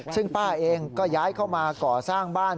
ซึ่งป้าเองก็ย้ายเข้ามาก่อสร้างบ้าน